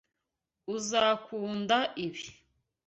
Uzakunda ibi.